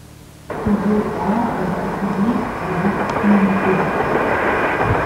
Sowohl A- als auch die B-Probe fielen positiv aus.